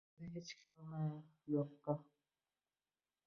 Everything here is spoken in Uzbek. Bizni hech kim topolmas yoqqa…